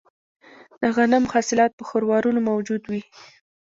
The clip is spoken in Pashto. د غنمو حاصلات په خروارونو موجود وي